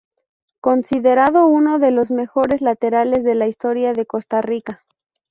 Considerado uno de los mejores laterales de la historia de Costa Rica.